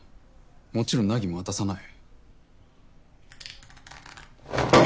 もちろん凪も渡さない。